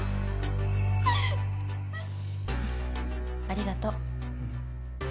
ありがと。